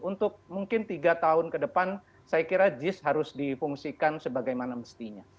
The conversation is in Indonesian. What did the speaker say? untuk mungkin tiga tahun ke depan saya kira jis harus difungsikan sebagaimana mestinya